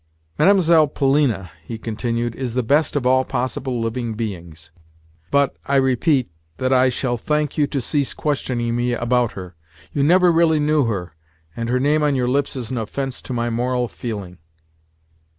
"Mlle. Polina," he continued, "Is the best of all possible living beings; but, I repeat, that I shall thank you to cease questioning me about her. You never really knew her, and her name on your lips is an offence to my moral feeling."